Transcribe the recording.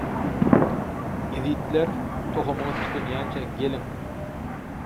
- Ýezitler, tohumyňyz tükenýänçä geliň.